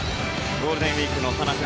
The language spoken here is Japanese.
ゴールデンウィークのさなか